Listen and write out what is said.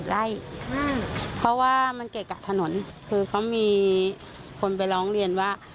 ไม่ได้ค่ะเทศกิตได้อืมเพราะว่ามันเกะกะถนนคือเขามีคนไปร้องเรียนว่า